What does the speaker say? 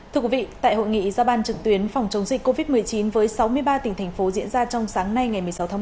thưa quý vị tại hội nghị giao ban trực tuyến phòng chống dịch covid một mươi chín với sáu mươi ba tỉnh thành phố diễn ra trong sáng nay ngày một mươi sáu tháng một mươi